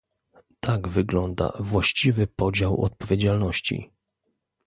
tak wygląda właściwy podział odpowiedzialności